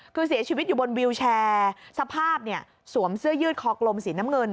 คือเสียชีวิตอยู่บนวิวแชร์สภาพเนี่ยสวมเสื้อยืดคอกลมสีน้ำเงิน